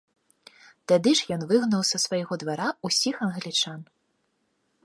Тады ж ён выгнаў са свайго двара ўсіх англічан.